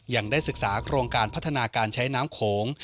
ยังได้ศึกษาโครงการพัฒนาการใช้น้ำโขง